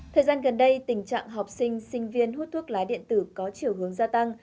thời gian gần đây tình trạng học sinh sinh viên hút thuốc lá điện tử có chiều hướng gia tăng